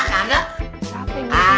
siapa yang ngurusinnya lagi